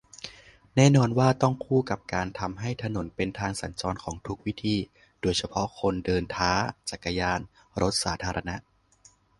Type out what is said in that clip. แน่นอนว่าต้องคู่กับการทำให้ถนนเป็นทางสัญจรของทุกวิธี โดยเฉพาะคนเดินท้า จักรยาน รถสาธารณะ